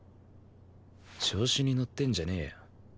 調子にのってんじゃねえよ